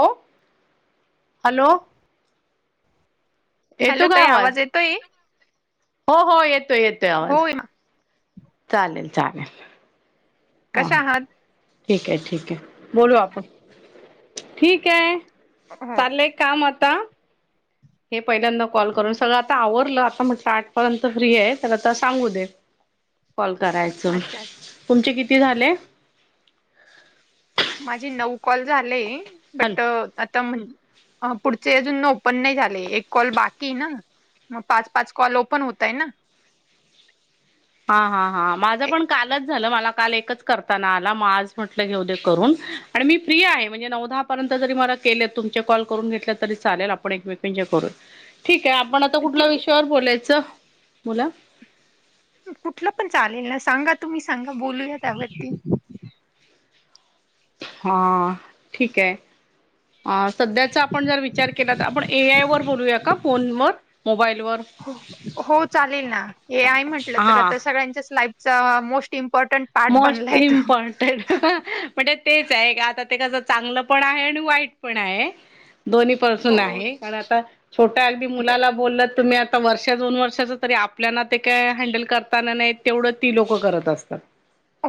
आई... hello. येतो hello का ताई आवाज येतोय. हो हो येतोय येतोय आवाज. हो हेमा चालेल. चालेल. हा कशा आहात? ठीक आहे. ठीक आहे. बोलू आपण ठीक आहे. हो चाललंय काम आता हे पहिल्यांदा कॉल करून हो. सगळं आता आवरलं. म्हटलं आठपर्यंत फ्री आहे त्याला तर सांगू दे. कॉल करायचं. अच्छा अच्छा तुमचे किती झाले? माझे नऊ कॉल झालेय. बट हॅलो आता म्हण पुढचे अजून ओपन नाही झाले. एक कॉल बाकी ना. मग पाच पाच कॉल ओपन होतय ना. हा. हा. हा. माझ ए- पण कालच झाल मला काल एकच करता नाय आला. मग आज म्हटल घेऊ ते करून. आणि मी फ्री आहे म्हणजे नऊ दहा आता जरी मला केलेत तुमचे कॉल करून घेतले तरी चालेल आपण एक मेकांचे करूया. ठिक आपण आता कुठल्या ठीक आहे. विषयावर बोलायचं. बोला. कुठलं पण चालेल ना. सांगा तुम्ही सांगा. बोलूया त्यावरती. हा ठीक आहे. हा सध्याचा आपण जरा विचार केला. तर आपण ए. आय. वर बोलूया का फोनवर मोबाईलवर. हो हो चालेल ना. हे म्हटलं तर हा आता सगळ्यांच्याच लाईफचा मोस्ट इम मोस्ट इमपॉ्रटंट म्हनजे. तेच आहे का. आता ते कसं चांगलं पण आहे. आणि वाईट पण आहे. दोन्ही पासून आहे. हो कारण आता छोट्या अगदी मुलाला बोलल तुम्ही आ आता वर्ष दोन वर्षाच तरी आपल्याना ते काय. हँडल करताना नाही तेवढं ती लोक करत असतात.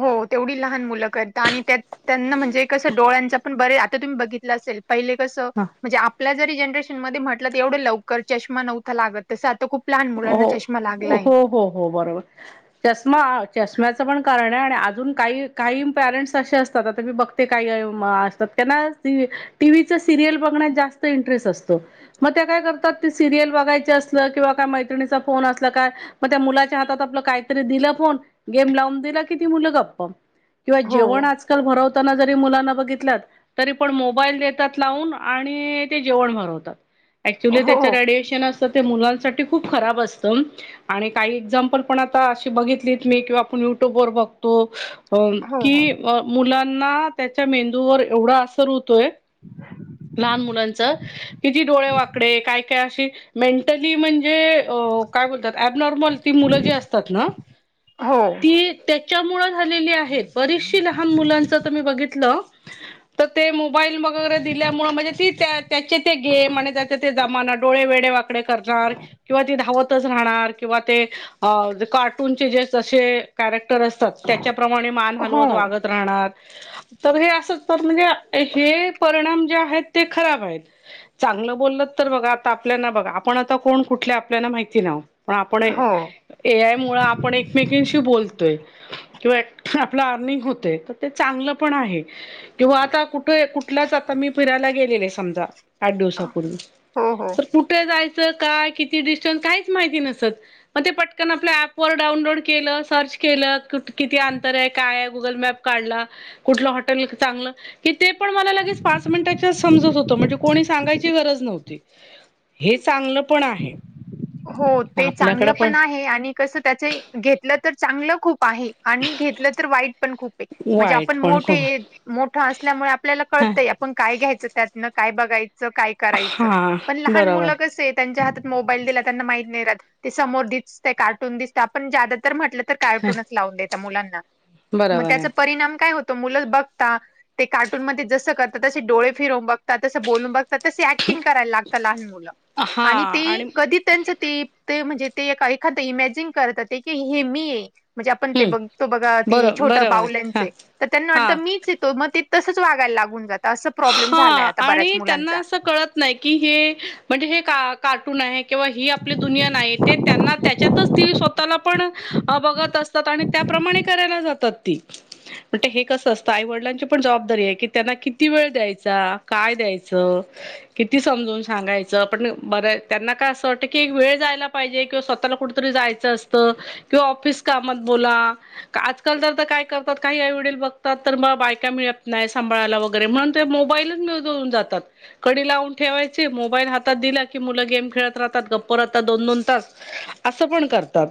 हो तेवढी लहान मुलं करतात. आणि त्यांना म्हणजे कसं डोळ्यांचा पण बरे आता तुम्ही बघितलं असेल. पहिले कसं हा म्हणजे आपल्या जरी जनरेशनमध्ये म्हटलं तर एवढं लवकर चष्मा नव्हता लागत तसं आता खूप लहान मुलांना हो चष्मा लागलाय. हो हो हो बरोबर चष्मा चष्म्याचं पण कारण कारण अजून काही काही पॅरेंट्स असे असतात आता मी बघते काही [unintelligible] असतात त्यांना ती टीव्हीचं सिरियल बघण्यात जास्त इंटरेस्ट असतो. मग ते काय करतात ती सिरियल बघायचे असलं किंवा का मैत्रिणीचा फोन असला का म त्या मुलाच्या हातात आपलं काहीतरी दिल फोन गेम लावून दिलं की ती मु मुलं गप्प. किंवा हो जेवण आजकाल भरव त्यांना जरी मुलांना बघितलत तरी पण मोबाईल देतात लावून आणि ते जेवण भरवतात. ऍक्च्युली हो त्याच रेडिएशन असतं ते मुलांसा ते खूप खराब असत आणि काही एक्झामपल पण आता अशी बघितली मी किंवा आपण युट्यूब वर बघ तो हो हो कि मुलांना त्याच्या मेंदूवर एवढा असर हो ते लहान मुलांच किती डोळे वाकडे काय काय अशी मेंटली म्हण जे काय बोलतात ऍबनॉर्मल ती मुलं जी असतात ना हो [inaudible] ती त्या च्या मुळं झालेली आहेत. बरीचशी लहान मुलांच अता मी बघितलं. तर ते मोबाईल वगैरे दिल्यामुळ म्हणजे ती त्या त्याचे ते गेम आणि त्याचे ते जमाना डोळे वेडे वा कडे करणार. किंवा ती धावतच राहणार किंवा ते अ ज कार्टूनचे जे जसे कॅरेक्टर असतात त्याच्याप्रमाणे मान हलवत हो वागत राहनार तर हे अस तर म्हणजे हे परिणाम जे आहेत ते खराब आहेत. चांगलं बोलल तर बघा आता आप ल्यांना बघा आपण आता कोण कुठल्या आपल्याना माहिती नाव पण आपण हो ए आय मु आपण एकमेकीांशी बोलतोय. किंवा आपलं अर्निंग होते तर ते चांगलं पण आहे किंवा आता कुठ कुठल्या? ता मी फिरायला गेलेले समजा आठ दिवसापूर्वी हो हो. तर कुठे जायचं काय. मा प डो. क अर काय म काढ कु हटे च ते पण मला लगेच पाच मिनिटाच्या समजत होतं म्हणजे कोणी सांगाय गरज नव्हती. हे चांगलं पण आहे हो ते चांगलं पण आहे आणि कस त्या घेत. तर चांगलं खूप आणि घेत तर वाईट पण खूप म्हणजे वाईट आपण पण खूप मोठे मोठ असल्यामुळे आपल्याला ह क आप काय घ्यायच त्यातन काय बघायचं काय करायचं हा पण लहान बरोबर मुलं क मामो म्ह. कार्टूनच लाून द मुलांना मग बरोबर त्या आहे परिणाम काय हो. त मुलं बघता ते कार्टून मध्ये जस करतात तसे डोळे फिरवून बघता तस बोलून बघता. तस ऍक्टिंग करायला लागत लहान मुलं आणि ते कधी त्यांच ते ते म्हणजे ते ए एखाद इमॅजिन करतात ते की हे मी आहे. म्हणजे आपण ते हम्म बघतो बघा ती बरो छोट्या बरोबर आहे हा बाऊल्यांचे तर त्यांना वाटत हा. मीच येतो मग ते तसच वागायला लागून जातं. असं प्रॉब्लेम हा झालाय आता बऱ्याच आणि त्यांना मुलांचा असं कळत नाही की हे म्हणजे हे का? कार्ट आहे किंवा ह आपली दुनिया नाही ते त्यां त्याच्यातच त स्वतःला पण बघ. जातात आणि त्या प्रमाणे करायला जातात ती पण हे कसं असतं आई वडलांची पण जबाबदारी आहे त्यांना किती किती वेळ द्यायचा काय द्यायचं किती समजून सांगायचं पण बर त्यांना का अस वाटत कि वेळ जायला पाहिजे किंवा स्वतःला कुठेतरी जायचं असतं किंवा ऑफिस कामात बोला. तर आजकाल तर काय करतात काही आई वडील बघतात तर मग बायका मिळत नाही सांभाळायला वगैर. म्हणुन तर म्हणते मोबाईल मिळून जातात कडी लाऊन ठेवायची मोबाईल हातात दिला की मुल गेम खेळत राहतात, गप्प राहतात दोन दोन तास असं पण करतात.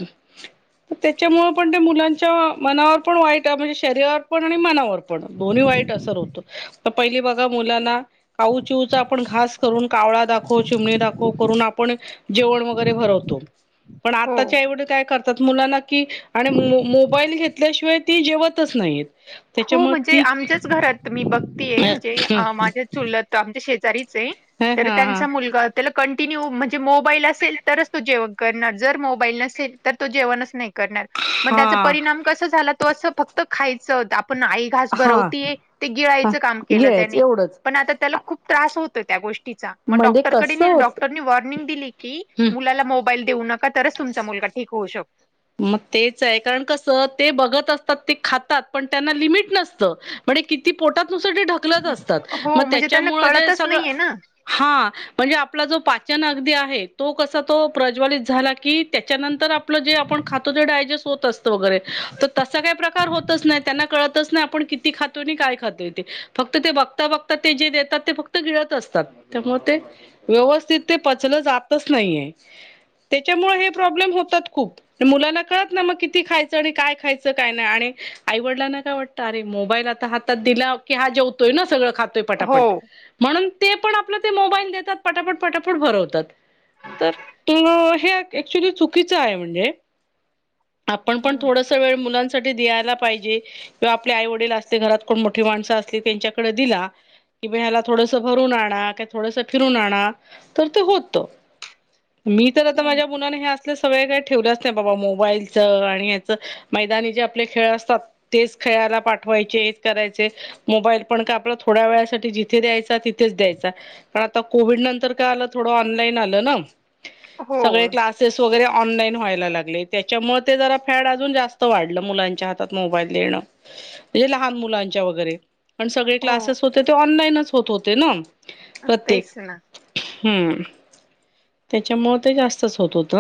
तर त्याच्यामुळे पण ते मुलांच्या मनावर पण वाईट आणि शरीरावर पण आणि मनावर पण दोन्ही वाईट असर होतो. तर पहिली बघा मुलांना काऊ चिऊचा आपण घास करून कावळा दाखव, चिमणी दाखव करून आपण जेवण वैगरे भरवतो पण हो आत्ताचे आई वडील काय करता. मुलांना कि आणि मो मोबाईल घेतल्याशिवाय ती जेवतच नाहीयेत. हो म्हणजे आमच्याच घरात मी बघतीये म्हणजे अं माझ्या चुलत आमच्या शेजारीच ये हा तर हा त्यांचा मुलगा त्याला कंटिन्यू म्हणजे मोबाईल असेल तरच तो जेवण करणार जर मोबाईल नसेल तर तो जेवणच नाही. करणार मग त्याचा हा परिणाम कसा झाला तो फक्त खायच. पण आई घास हा भरवतीये ते हा गिळायचं काम केलं घ्यायच त्याने एवढंच पण आता त्याला खूप त्रास होतो. त्या गोष्टीचा मग म्हणजे डॉक्टर कडे कसं नील होत डॉक्टर नि वॉर्निंग दिली की हम्म मुलाला मोब मोबाईल देऊ नका तरच तुमचा मुलगा ठीक होऊ शकतो. मग तेच आहे कारण कस ते बघत असतात ते खातात पण त्यांना लिमिट नसतं पण ते किती पोटात दुसरे ढकलत असतात म हो, म्हणजे त्यांना त्याच्यामुळे जे कळतच सगळ. नाहीये ना. हा म्हणजे आपला जो पाय दीप प्रज्वलन आहे तो कसा तो प्रज्वलित झाला की त्याच्यानंतर आपलं जे आपण खातो ते डायजेस्ट होत असत वैगेरे तर तसा काही प्रकार होतच नाही त्यांना काळातच नाही. आपण किती खातोय आणि काय खातोय ते फक्त ते बघता बघता ते जे देतात ते फक्त गिळत असतात. ते व्यवस्थित ते पचलं जातच नाहीये. त्याच्यामुळे हे प्रॉब्लेम होतात खूप. मुलांना कळत नाही मग किती खायचं आणि काय खायचं काय नाही आणि आईवडिलांना काय वाटतं अरे मोबाईल आ हातात दिला की हा जेवतोय ना सगळं खातोय पटापट हो. म्हणून ते पण आपलं ते मोबाईल देतात पटापट पटापट भरवतात. तर त अं हे ऍक्च्युली चुकीचं आहे म्हणजे आपण पण हं. थोडस वेळ मुलांसाठी दयाल दिला पाहिजे किंवा आपले आई-वडील असते घरात कोण मोठी माणसं असली त्यांच्याकडे दिला कि भ्याला थोडस भरून आणा का थोडसं फिरून आणा तर ते होत. मी तर आता माझ्या मुलाने हे असले सवयी काही. ठेवलंच नाही बाबा मोबाईल - च आणि याच मैदानी जे आपले खेळ असतात. तेच खेळायाला पाठवायचे हेच करायचे मोबाईल पण काय आपला थोड्या वेळासाठी जिथे द्यायचा. तिथेच द्यायचा. कारण आता कोविड नंतर कळाल थोड ऑनलाईन आलं ना, हो, सगळे क्लासेस वैगेरे ऑनलाईन व्हायला लागले ते त्याचा मुळे ते जरा फॅड आजुन जास्त वाढल. मुलांच्या हातात मोबाईल देणं, ते लहान मुलांच्या वैगरे पण सगळे हो क्लासेस होते ते. ऑनलाईनच होत होते ना. हा प्रत्येक तेच ना - हम्म त्याच्या मुळ ते जास्तच होत होत.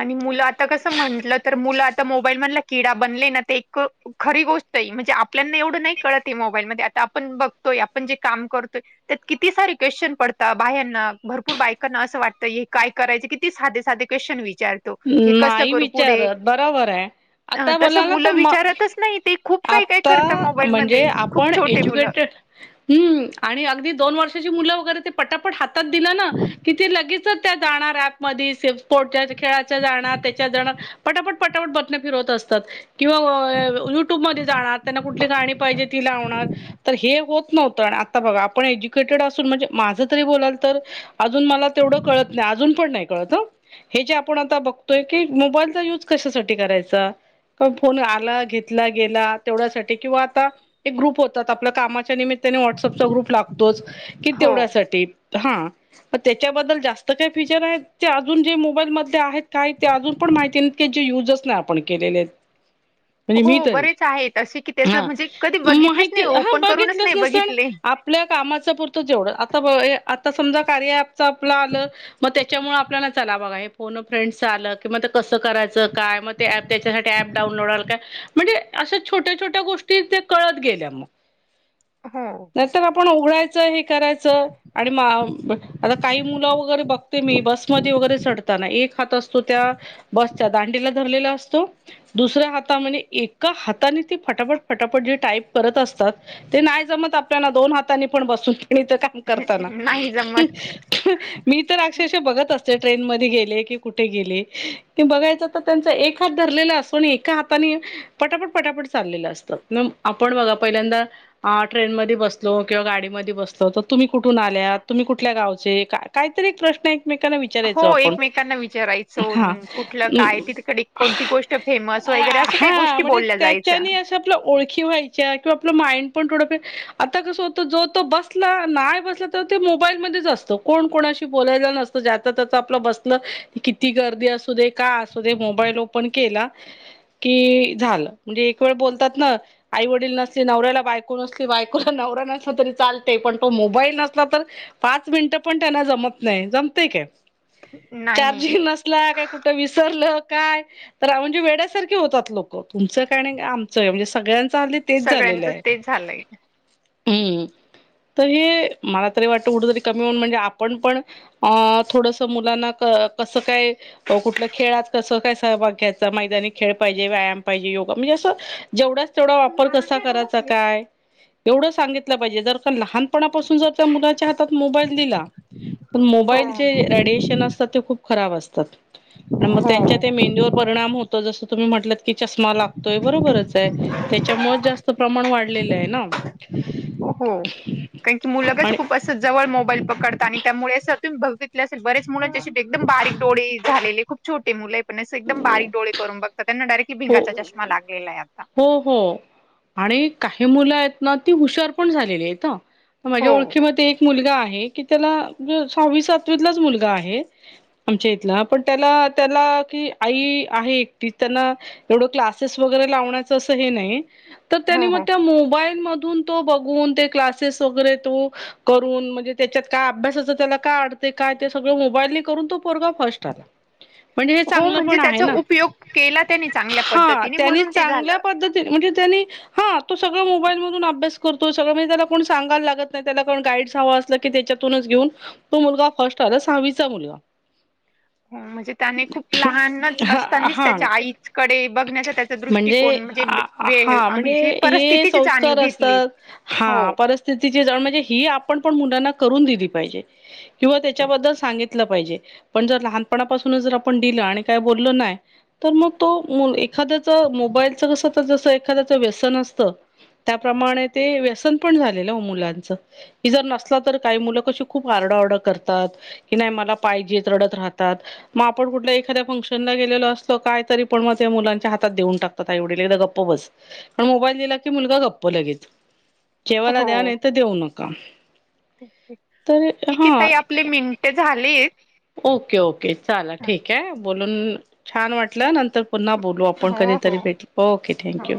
आणि मुलं आता कसं म्हंटलं तर. मुलं आता मोबाईल मधला किडा बनले ना ते. एक खरी गोष्ट - म्हणजे आपल्याना एवढं नाही कळत. ये मोबाईल आता आपण बघतोय. आपण जे काम करतोय. त्यात किती सार - क्वेश्चन पडतात. बाह्यांना भरपूर बायकांना. असं वाटतं हे काय करायच किती साधे-साध क्वेश्चन आहे. विचारतो हे कस नाही करू पुढे? विचारत बरोबर आहे. अ आता तसं बोलाल तर मुलं म विचारतच नाही. ते खूप काही-काही आता करता मोबाईल मध्ये म्हणजे खूप आपण छोटे मुलं. एज्युकेटेड हम्म आणि अगदी दोन वर्ष - आताची मुल वैगरे ते पटापट हातात दिला ना की ते लगेचच त्या जाणार ऍप मध्ये सेफमोडच्या खेळाच्या जाणार. त्याच्यात जाणार. पटापट-पटापट बटणं फिरवत असतात. किंवा युट्यूबमध्ये जाणार त्यांना कुठली गाणी पाहिजे ती लावणार तर हे हो. नव्हत आता बघा आपण एज्युकेटेड असून म्हणजे माझं तरी बोलाल तर. अजून मला तेवढं कळत नाही. अजून पण नाही कळत ह. जे आपण आता बघतोय की मोबाईलचा युज कशासाठी करायचा? फोन आला. घेतला गेला. तेवढ्यासाठी किंवा आता एक ग्रुप होतात आपल्या कामाच्या निमित्त- त्या व्हॉट्सअप चा ग्रुप लागतोच. की हो तेवढ्यासाठी. हा त्याच्याबद्दल जास्त काय फीचर आहे. ते अजून जे मोबाईलमध्ये आहेत. काय ते अजून पण माहिती जे युजस नाही आपण केलेले. म्हणजे हो मी तरी. बरेच आहेत असे की त्याच हा म्हणजे कधी बघितलेच माहिती नाही हा ओपन करूनच बघितलंच नाही नसत आणि बघितले आ - - पल्या कामाच पुरतं जेवढं आता बघा या आ आता समजा कार्या ॲपच आपल आलं, मग त्याच्यामुळे आपल्याला चला बघा हे. फोन अ फ्रेंड आलं कि, मग ते कसं करायचं काय? मग ते त्याच्यासाठी ॲप डाऊन लोड काय, म्हणजे अशा छोट्या छोट्या गोष्टी ते कळत गेल्या मग. हो नाहीतर आपण उघडायचं हे- करायच आणि म आ, आता काही मुलं वगैरे बघते मी, बसमध्ये वगैरे चढ एक हात असतो त्या बसच्या दांडीला धरलेला असतो, दुसऱ्या हाता मध्ये एक हातानी ते फटापट फटापट जे टाईप करत असतात ते नाही जमत आपल्याला, दोन हातानी पण बसून. तिथं काम करताना, नाही जमत [unintelligible] मी तर अक्षरशा बघत असते ट्रेन मध्ये. कुठे गेले की कुठे गेले, ते बघायच तर त्यांचा एक हात धरलेला असतो आणि एका हाताने- पटापट पटापट चाललेलं असतं, मग आपण बघा पहिल्यांदा आ ट्रेन मध्ये बसतो किंवा गाडीमध्ये बसलं तर तुम्ही कुठून आल्या? तुम्ही कुठल्या गावचे? काहीतरी एक प्रश्न एकमेकांना विचारयचो आपण. त्यांना विचारायच हा कुठल, काय तिकड कोणती गोष्ट फेमस वगैरे अस काही हा गोष्टी म्हणजे बोल्यात- - त्याच्याने असं आपल्या ओळखी व्हायच्या किंवा आपलं माइंड पण- - थोडाफार आता कसं होतंय. जो तो बसल नाय बसल तर तो मोबाईल मध्येच असतो. कोण कोणाशि- - बोलायला नसतो. ज्याच त्याच आपल बस न किती गर्दी असू दे. का असु दे मोबाईल ओपन केला कि झाल. म्हजे एक वेळ बोलतात ना आई वडील नसतील, नवऱ्याला बायको नसली, बायकोला नवरा नसला तरी चाल- - ते पण तो मोबाईल नसला तर पाच मिनिटं पण त्यांना जमत नाही. जमते काय? नाही चार्जिंग नसला. काय कुठं विसरलं? काय तर म्हणजे वेड्यासारखे होतात लोक तुमचं काय आमचं म्हणजे सगळ्यां हल्ली तेच झालेलं सगळ्यांचच आहे ते झालंय हम्म. तर हे मला तरी वाटत कुठ तरी कमी होऊन म्हणजे आपण पण अ थोडस मुलांना- कसं काय कुठलं खेळात कसं काय सहभाग घ्यायचा मैदानी खेळ पाहिजे व्यायाम पाहिजे. म्हणजे असं जेवढच. तेवढा वापर कसा करायचा काय एवढं सांगितल पाहिजे जर का लहान. लहानपणापासून जर मुलांच्या हातात मोबाईल दिला तर हो मोबाईलचे रेडिएशन ते खूप खराब असतात मग हो त्यांच्या मेंदूवर परिणाम होतो तसं तुम्ही म्हणलात- की चष्मा लागतोय बरोबरच आहे त्याच्यामुळे जास्त प्रमाण वाढलेलं आहे ना? हो कारण की मुलगच आणि खूप अस जवळ मोबाईल पकडत आणि- त्यामुळे असं तही बघितल्या असे बऱ्याच मुलांच्या एकदम बारीक डोळे झालेले खूप छोटे मुले आहेत. पण एकदम अस बारीक डोळे करून बघतात. त्यांना डायरेक्टली हो भिंगाचा चष्मा लागलेला आहे आता हो हो आणि काही मुलं आहेत. ती हुशार पण झालेली आहेत ह माझ्या हो ओळखीमध्ये एक मुलगा आहे? की त्याला तो सहावी सातवीतलाच मुलगा आहे आमच्या इथला त्याला याला. की आई आहे एकटीच त्यांना. एवढं क्लासेस वगैरे लावण्याचा अस हे नाही त्यांनी हो हो त्या मोबाईल मधून. बघून ते क्लासेस वगैरे तो करून म्हणजे त्यांच्यात अभ्यासाचं काय काय ते सगळ मोबाईल करून तो पोरगा फर्स्ट आला. म्हणजे हे हो चांगलं म्हणजे पण आहे त्याचा ना? उपयोग केला त्याने चांगल्या हा पद्धतीने त्याने म्हणून ते झालं चांगल्या पद्धतीने म्हणजे त्यांनी- हा तो सगळं मोबाईल मधून अभ्यास करतो सगळं म्हणजे त्याला कोण सांगाय लागत त्यालाण गाईड्स हवं असलं की ते- तिथूनच घेऊन तो मुलगा फर्स्ट आला, सहावीचा मुलगा. हं, म्हणजे त्याने खूप लहानच हा असतानाच हा त्याच्या आईच कडे बघण्याचा त्याचा दृष्टिकोन म्हणजे आ वेळ हा म्हणजे हे परिस्थितीची जाणीव संस्कार घेतली. असतात हो हा परिस्थितीचीच जाणीव म्हणजे ही आपण पण मुलांना करून दिली पाहिजे, किंवा त्याच्याबद्दल सांगितलं पाहिजे. पण जर लहानपणापासून जर आपण पण दिलं आणि काही बोलल नाही, तर मग तो मो एखाद्याच मोबाईलच कस तर जसं एखाद्याच व्यसन असतं, त्याप्रमाणे ते व्यसन पण झालेलं मुलांच. हि जर नसला तर काही मुलं कशी खूप आरड डा-ओरडा करत राहतात. की नाही मला पाहिजेच. रडत राहतात. म आपण कुठल्या एखाद्या फंक्शन ला गेलेलं असतो काय तरी पण मग त्या मुलांच्या हातात देऊन टाकतात. आई वडील एकदा गप्प बस. पण. मोबाईल दिला की मुलग गप्प लगेच. जेवायला द्या नाही-तर देऊ नका. तर ठीके हा ताई आपली मिनिटे झालीत. Okay okay. चालल ठीक आहे, बोलून छान वाटलं. नंतर पुन्हा बोलू आपण कधी हो हो तरी भेट, ओके हो. थँक्यू.